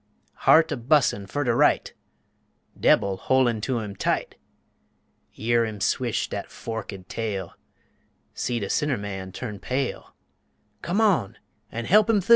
Heart a bus'in' fer de right, Debil hol'in' to him tight, Year him swish dat forkéd tail, See de sinner man turn pale, Come on an' he'p him thu.